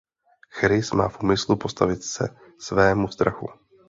Chris má v úmyslu postavit se svému strachu.